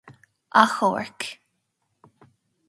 Achomhairc.